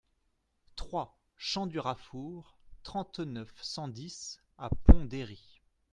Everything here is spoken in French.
trois champ du Rafourg, trente-neuf, cent dix à Pont-d'Héry